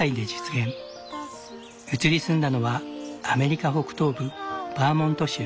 移り住んだのはアメリカ北東部バーモント州。